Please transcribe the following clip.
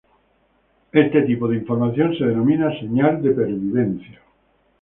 Este tipo de información se denomina señal de pervivencia.